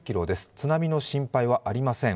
津波の心配はありません。